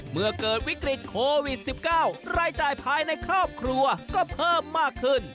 เมื่อเกิดวิกฤตโควิด๑๙รายจ่ายภายในครอบครัวก็เพิ่มมากขึ้น